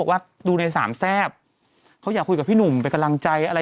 วันนี้หนูรับโทรศัพท์แท้พี่หนุ่มเยอะมากเลย